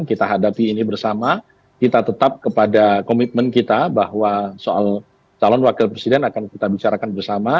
kita hadapi ini bersama kita tetap kepada komitmen kita bahwa soal calon wakil presiden akan kita bicarakan bersama